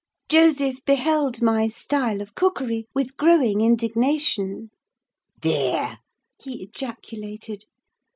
Joseph beheld my style of cookery with growing indignation. "Thear!" he ejaculated.